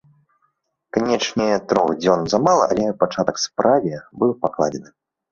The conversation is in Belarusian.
Канечне, трох дзён замала, але пачатак справе быў пакладзены.